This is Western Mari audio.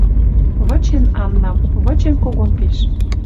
Вычен Аннам. Вычен когон пиш.